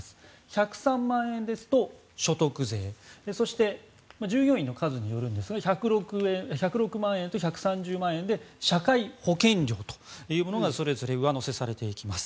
１０３万円ですと所得税そして従業員の数によるんですが１０６万円と１３０万円で社会保険料というものがそれぞれ上乗せされていきます。